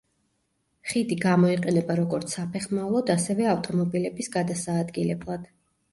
ხიდი გამოიყენება როგორც საფეხმავლოდ, ასევე ავტომობილების გადასაადგილებლად.